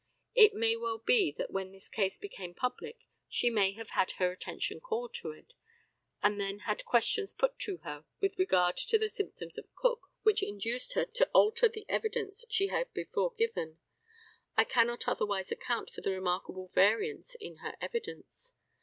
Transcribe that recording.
It may well be that when this case became public she may have had her attention called to it, and then had questions put to her with regard to the symptoms of Cook which induced her to alter the evidence she had before given. I cannot otherwise account for the remarkable variance in her evidence.